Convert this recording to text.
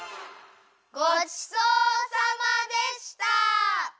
ごちそうさまでした！